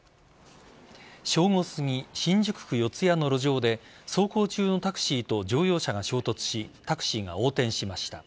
正午すぎ、新宿区四谷の路上で走行中のタクシーと乗用車が衝突し、タクシーが横転しました。